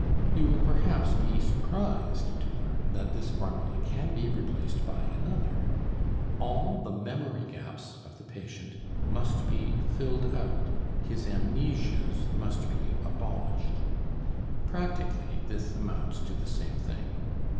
You will perhaps be surprised to learn that this formula can be replaced by another: all the memory gaps of the patient must be filled out, his amnesias must be abolished. Practically this amounts to the same thing.